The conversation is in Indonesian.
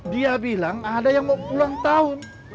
dia bilang ada yang mau pulang tahun